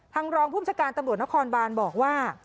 รองภูมิชาการตำรวจนครบานบอกว่า